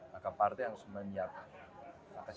maka partai harus menyiapkan